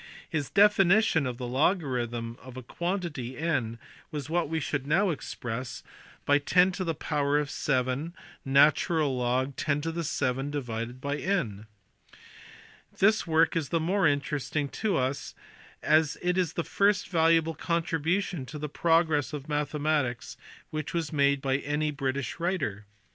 His definition of the logarithm of a quantity n was what we should now express by 10 7 log e (I0 7 /n). This work is the more interesting to us as it is the first valuable contribution to the progress of mathematics which was made by any British writer.